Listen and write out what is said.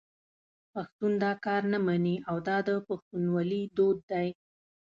پښتون دا کار نه مني او دا د پښتونولي دود دی.